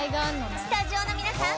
スタジオの皆さん